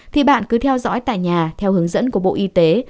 thì bạn cứ theo dõi tại nhà theo hướng dẫn của bộ y tế